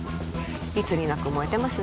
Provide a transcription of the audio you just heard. いつになく燃えてます